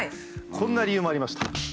こんな理由もありました。